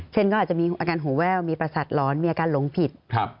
เช่นก็อาจจะมีอาการหูแว่วมีประสาทหลอนมีอาการหลงผิด